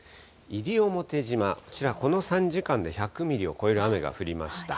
西表島、こちら、この３時間で１００ミリを超える雨が降りました。